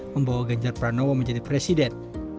membawa ganjar pranowo menjadi presiden